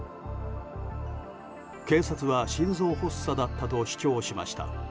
警察は心臓発作だったと主張しました。